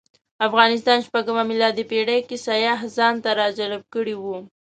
افغانستان شپږمه میلادي پېړۍ کې سیاح ځانته راجلب کړی و.